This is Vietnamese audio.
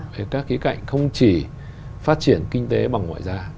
hay các cái cạnh không chỉ phát triển kinh tế bằng ngoại giá